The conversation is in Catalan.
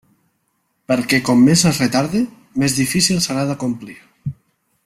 Perquè com més es retarde, més difícil serà d'acomplir.